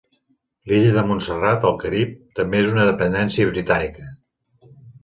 L'Illa de Montserrat, al Carib, també és una dependència britànica.